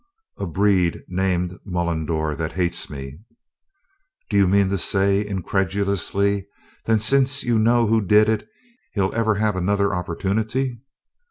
"A 'breed' named Mullendore that hates me." "Do you mean to say," incredulously, "that since you know who did it, he'll ever have another opportunity?"